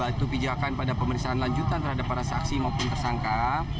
yaitu pijakan pada pemeriksaan lanjutan terhadap para saksi maupun tersangka